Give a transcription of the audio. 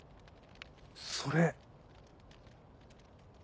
それ。